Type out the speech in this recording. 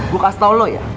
gue kasih tau lo ya